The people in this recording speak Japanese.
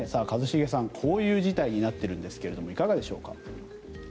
一茂さん、こういう事態になっているんですがいかがでしょうか。